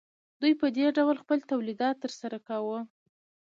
دوی په دې ډول خپل تولید ترسره کاوه